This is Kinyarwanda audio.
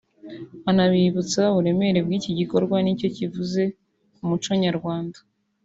anabibutsa uburemere bw'iki gikorwa nicyo kivuze ku muco nyarwanda